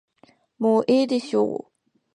もうええでしょう。